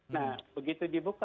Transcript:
nah begitu dibuka